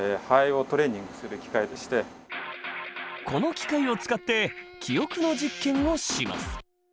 この機械を使って記憶の実験をします。